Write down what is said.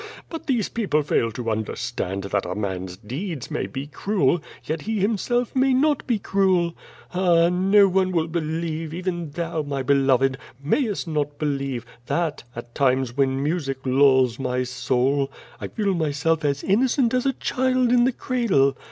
But these people fail to understand that a man's deeds may be cruel, yet he himself may not be cruel. Ah! no one will believe, even thou, my beloved, niayest not believe, that at times when music lulls my soul, I feel myself as innocent as a child in the cradle.